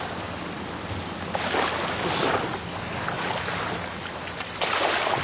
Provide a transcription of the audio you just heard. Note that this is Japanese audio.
よし。